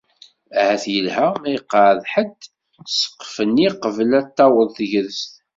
Ahat yelha ma iqeεεed ḥedd ssqef-nni qbel ad d-taweḍ tegrest.